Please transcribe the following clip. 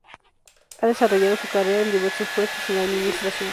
Ha desarrollado su carrera en diversos puestos en la administración.